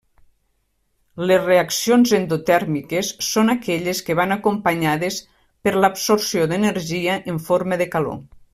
Les reaccions endotèrmiques són aquelles que van acompanyades per l'absorció d'energia en forma de calor.